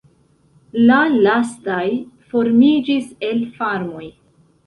La lastaj formiĝis el farmoj.